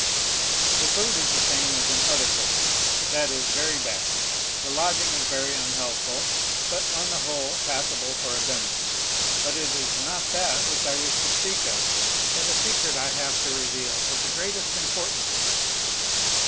"The food is the same as in other prisons,—that is, very bad; the lodging is very unhealthful, but, on the whole, passable for a dungeon; but it is not that which I wish to speak of, but a secret I have to reveal of the greatest importance."